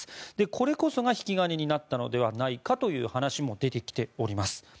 これこそが引き金になったのではないかとの話も出てきています。